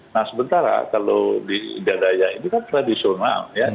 nah sementara kalau di jadaya ini kan tradisional ya